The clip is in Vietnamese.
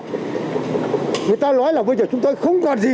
người ta nói là bây giờ chúng tôi không còn gì